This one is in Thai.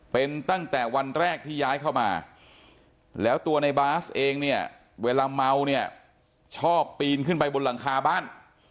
เป็นตั้งแต่วันแรกที่ย้ายเข้ามาแล้วตัวในบาสเองเนี่ยเวลาเมาเนี่ยชอบปีนขึ้นไปบนหลังคาบ้าน